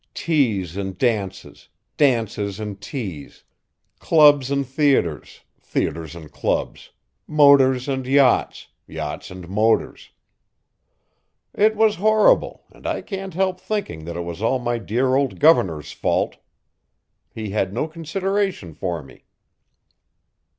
Teas and dances, dances and teas, clubs and theatres, theatres and clubs, motors and yachts, yachts and motors. It was horrible, and I can't help thinking it was all my dear old governor's fault. He had no consideration for me."